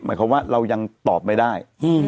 หมายความว่าเรายังตอบไม่ได้